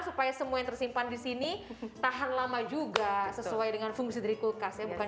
supaya semua yang tersimpan di sini tahan lama juga sesuai dengan fungsi dari kulkas ya bukan